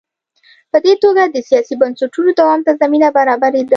په دې توګه د سیاسي بنسټونو دوام ته زمینه برابرېده.